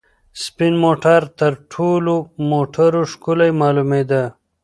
سپین موټر تر ټولو موټرو ښکلی معلومېده.